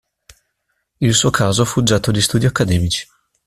Il suo caso fu oggetto di studi accademici.